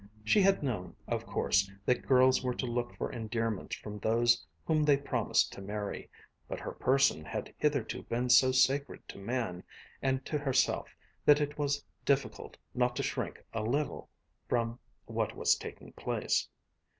She had known, of course, that girls were to look for endearments from those whom they promised to marry, but her person had hitherto been so sacred to man and to herself that it was difficult not to shrink a little from what was taking place.